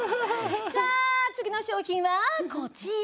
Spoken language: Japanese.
さあ次の商品はこちら。